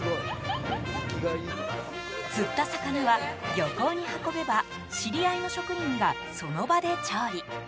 釣った魚は、漁港に運べば知り合いの職員がその場で調理。